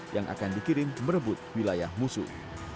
yang akan dikirim merebut wilayah musuh